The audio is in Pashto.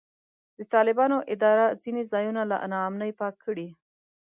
د طالبانو اداره ځینې ځایونه له نا امنۍ پاک کړي.